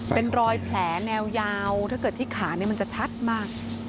เป็นรอยแผลแนวยาวถ้าเกิดที่ขามันจะชัดมาก